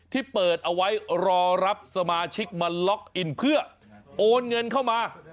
ที่เปิดเอาไว้รอรับสมาชิกมาล็อกอินเพื่อโอนเงินเข้ามา